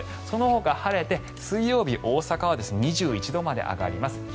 そのほか晴れて水曜日、大阪は２１度まで上がります。